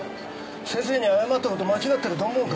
先生に謝った事間違ってると思うか？